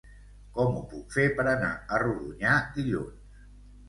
Com ho puc fer per anar a Rodonyà dilluns?